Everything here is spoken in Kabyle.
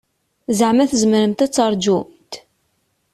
Zeɛma tzemremt ad taṛǧumt?